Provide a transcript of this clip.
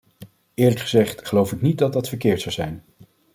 Eerlijk gezegd geloof ik niet dat dat verkeerd zou zijn.